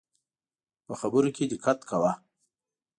په خبرو کي دقت کوه